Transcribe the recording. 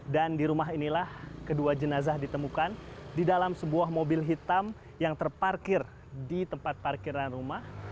dan di rumah inilah kedua jenazah ditemukan di dalam sebuah mobil hitam yang terparkir di tempat parkiran rumah